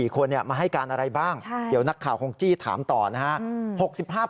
๔คนมาให้การอะไรบ้างเดี๋ยวนักข่าวคงจี้ถามต่อนะครับ